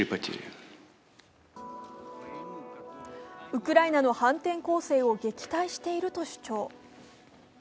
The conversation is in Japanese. ウクライナの反転攻勢を撃退していると主張。